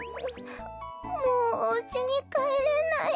もうおうちにかえれない。